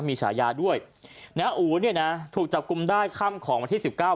มีฉายาด้วยนะอู๋เนี่ยนะถูกจับกลุ่มได้ค่ำของวันที่สิบเก้า